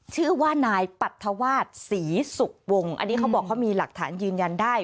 ชื่อว่านายปรัฐวาสศรีสุวงศ์อันนี้เขาบอกเขามีหลักฐานยืนยันได้